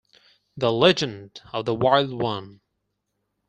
The Legend of The Wild One.